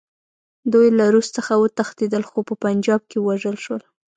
دوی له روس څخه وتښتېدل، خو په پنجاب کې ووژل شول.